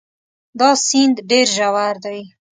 دا سیند ډېر ژور دی.